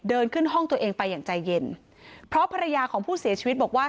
เดินขึ้นห้องตัวเองไปอย่างใจเย็นเพราะภรรยาของผู้เสียชีวิตบอกว่า